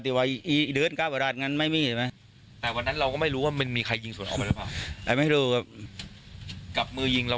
แต่วันนั้นเราก็ไม่รู้ว่ามันมีใครยิงส่วนออกไปแล้วเปล่า